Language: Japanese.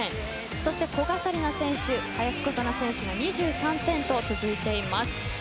そして、古賀紗理那選手林琴奈選手の２３点と続いています。